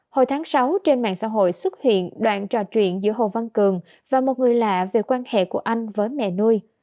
hồi tháng sáu trên mạng xã hội xuất hiện đoạn trò chuyện giữa hồ văn cường và một người lạ về quan hệ của anh với mẹ nuôi